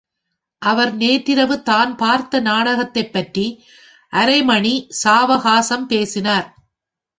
அவர் நேற்றிரவு தான் பார்த்த நாடகத்தைப்பற்றி அரை மணி சாவகாசம் பேசினார்.